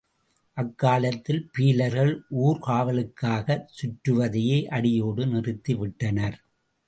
அக்காலத்தில் பீலர்கள் ஊர்க்காவலுக்காகச் சுற்றுவதை அடியோடு நிறுத்திவிட்டனர்.